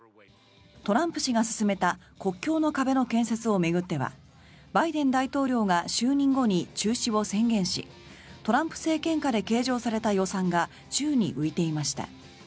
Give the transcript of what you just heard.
トランプ氏が進めた国境の壁の建設を巡ってはバイデン大統領が就任後に中止を宣言しトランプ政権下で計上された予算が宙に浮いていました。